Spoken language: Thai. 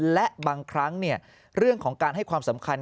และบางครั้งเรื่องของการให้ความสำคัญ